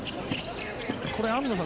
これ、網野さん